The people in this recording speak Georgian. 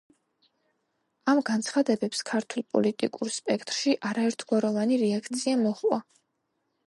ამ განცხადებებს ქართულ პოლიტიკურ სპექტრში არაერთგვაროვანი რეაქცია მოჰყვა.